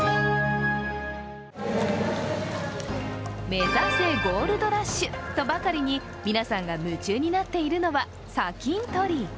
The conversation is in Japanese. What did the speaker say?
目指せ、ゴールドラッシュとばかりに皆さんが夢中になっているのは砂金採り。